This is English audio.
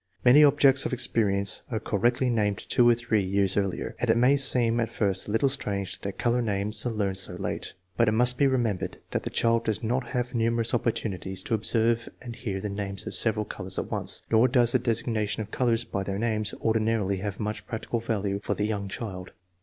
Many objects of experience are cor rectly named two or three years earlier, and it may seem at first a little strange that color names are learned so late. But it must be remembered that the child does not have numerous opportunities to observe and hear the names of several colors at once, nor does the designation of colors by their names ordinarily have much practical value for the young child.